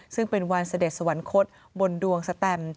ซึ่งเป็นวันเสด็จสวรรคตบนดวงสแตม